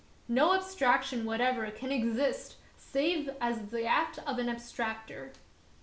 No abstraction whatever can exist save as the act 'of an abstractor.